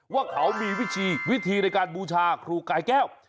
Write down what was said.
ว่าเขามีวิธีวิธีในการบูชาครูกายแก้ว